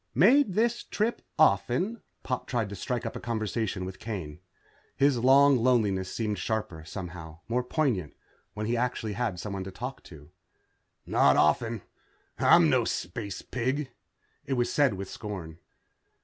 "Made this trip often?" Pop tried to strike up a conversation with Kane. His long loneliness seemed sharper, somehow, more poignant, when he actually had someone to talk to. "Not often. I'm no space pig." It was said with scorn.